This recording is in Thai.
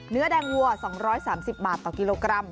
เนื้อแดงวัว๒๓๐บาทต่อกิโลกรัม